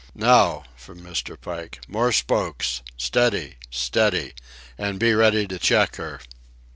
"Now!"—from Mr. Pike. "More spokes! Steady! Steady! And be ready to check her!"